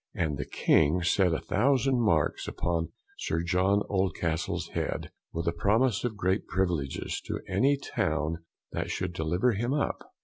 And the King set a thousand Marks upon Sir John Oldcastle's head, with a promise of great Privileges to any town that should deliver him up.